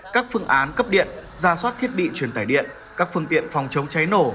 các phương án cấp điện ra soát thiết bị truyền tải điện các phương tiện phòng chống cháy nổ